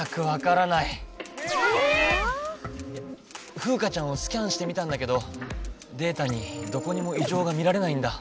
フウカちゃんをスキャンしてみたんだけどデータにどこにもいじょうが見られないんだ。